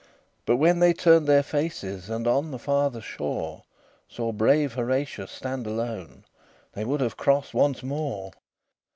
But when they turned their faces, And on the farther shore Saw brave Horatius stand alone, They would have crossed once more.